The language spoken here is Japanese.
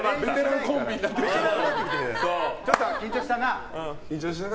ちょっと緊張したよな。